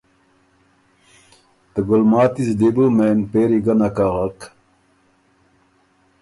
ته ګُلماتی زلی بو مېن پېری ګه نک اغک۔